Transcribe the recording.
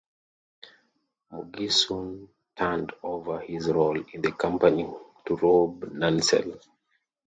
Mogis soon turned over his role in the company to Robb Nansel.